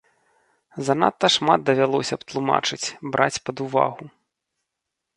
Занадта шмат давялося б тлумачыць, браць пад увагу.